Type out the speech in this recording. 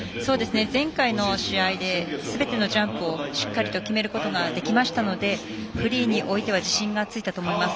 前回の試合ですべてのジャンプをしっかりと決めることができましたのでフリーにおいては自信がついたと思います。